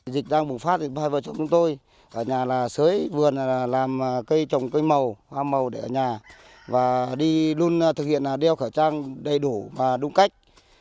dịch đang bùng phát thì ba vợ chồng chúng tôi ở nhà là sới vườn là làm cây trồng cây màu hoa màu để ở nhà và đi luôn thực hiện đeo khẩu trang đầy đủ và đúng cách